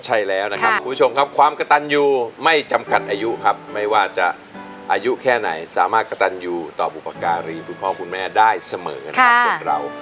ใช่แล้วนะครับคุณผู้ชมครับความกระตันยูไม่จำกัดอายุครับไม่ว่าจะอายุแค่ไหนสามารถกระตันอยู่ต่อบุปการีคุณพ่อคุณแม่ได้เสมอนะครับคนเรา